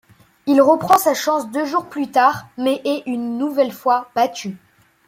Il reprend sa chance deux jours plus tard mais est une nouvelle fois battu.